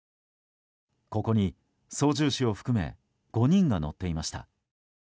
ここに、操縦士を含め５人が乗っていました。